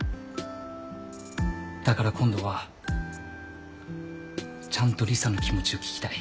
だから今度はちゃんと理沙の気持ちを聞きたい。